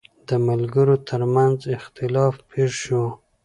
د ملګرو ترمنځ اختلاف پېښ شو.